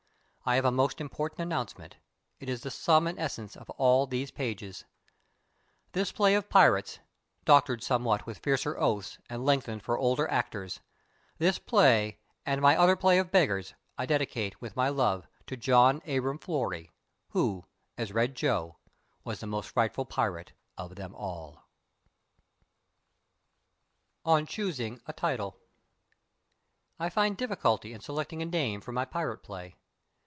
I have a most important announcement. It is the sum and essence of all these pages. This play of pirates doctored somewhat with fiercer oaths and lengthened for older actors this play and my other play of beggars I dedicate with my love to John Abram Flory, who, as Red Joe, was the most frightful pirate of them all. ON CHOOSING A TITLE I find difficulty in selecting a name for my pirate play.